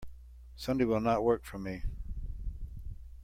Sunday will not work for me.